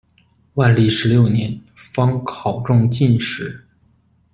万历十六年方考中进士。